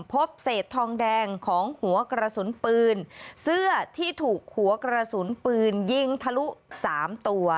พบเศษทองแดงของหัวกระสุนปืนเสื้อที่ถูกหัวกระสุนปืนยิงทะลุสามตัว